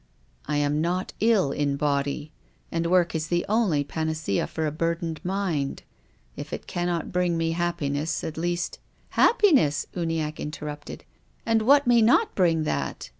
" I am not ill in body, and work is the only panacea for a burdened mind. If it cannot bring me happiness, at least —"" Happiness !" Uniacke interrupted. " And what may not bring that